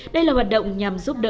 đây là hoạt động nhằm giúp đỡ tạo điều